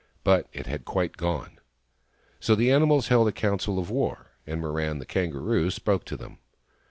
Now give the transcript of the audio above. But it had quite gone. So the animals held a council of war, and Mirran, the Kangaroo, spoke to them.